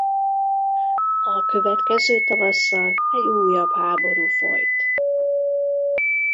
A következő tavasszal egy újabb háború folyt.